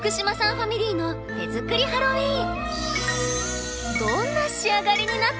ファミリーの手作りハロウィーン。